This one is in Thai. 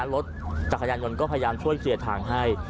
รถจักรยานยนต์ก็พยายามช่วยเคลียร์ทางให้